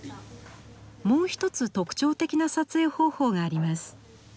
もう一つ特徴的な撮影方法があります。